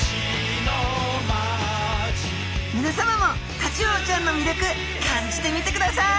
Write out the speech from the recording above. みなさまもタチウオちゃんのみりょく感じてみてください！